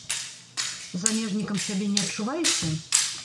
Замежнікам сябе не адчуваеце?